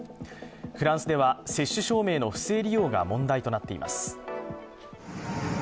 フランスでは、接種証明の不正利用が問題となっています。